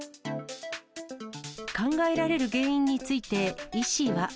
考えられる原因について、医師は。